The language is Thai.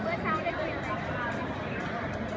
พี่แม่ที่เว้นได้รับความรู้สึกมากกว่า